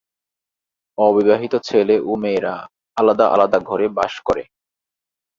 অবিবাহিত ছেলে বা মেয়েরা আলাদা আলাদা ঘরে বাস করে।